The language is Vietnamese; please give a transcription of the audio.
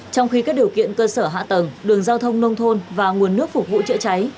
trong khi các điều kiện cơ sở hạ tầng đường giao thông nông thôn và nguồn nước phục vụ chữa cháy